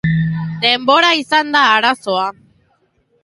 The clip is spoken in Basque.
Denbora izan da arazoa.